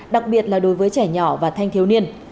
đặc biệt là đối với trẻ nhỏ và thanh thiếu niên